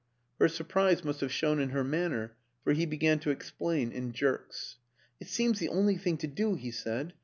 Her surprise must have shown in her manner, for he began to explain in jerks. " It seems the only thing to do," he said.